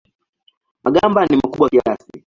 Magamba ni makubwa kiasi.